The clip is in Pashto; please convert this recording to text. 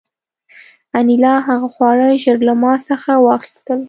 انیلا هغه خواړه ژر له ما څخه واخیستل